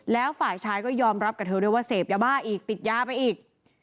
แล้วฝายชายก็ยอมรับกับเธอว่าเศภอย่าบ้าอีกติดแย้นไปอีก